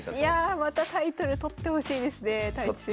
またタイトル取ってほしいですね太地先生。